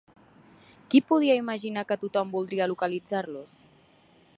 Qui podia imaginar que tothom voldria localitzar-los?